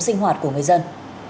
sinh hoạt của người dân